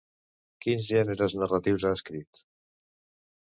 Quins gèneres narratius ha escrit?